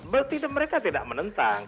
berarti mereka tidak menentang